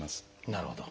なるほど。